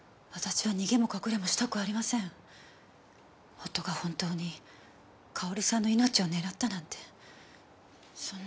夫が本当に佳保里さんの命を狙ったなんてそんな。